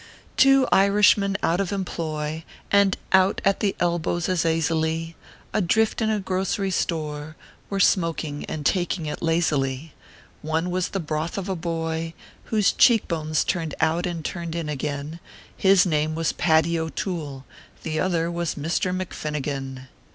Two Irishmen out of employ, And out at the elbows as aisily, Adrift in a grocery store Were smoking and taking it lazily. The one was a broth of a boy, Whose cheek bones turned out and turned in again, His name it was Paddy O Toole The other was Misther McFinnigan.